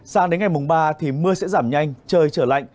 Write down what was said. sang đến ngày mùng ba thì mưa sẽ giảm nhanh trời trở lạnh